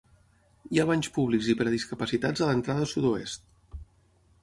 Hi ha banys públics i per a discapacitats a l'entrada sud-oest.